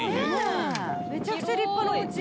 めちゃくちゃ立派なお家。